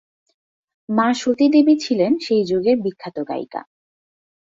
মা সতী দেবী ছিলেন সেই যুগের বিখ্যাত গায়িকা।